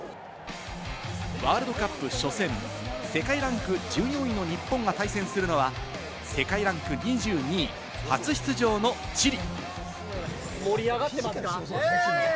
ワールドカップ初戦、世界ランク１４位の日本が対戦するのは世界ランク２２位、初出場のチリ。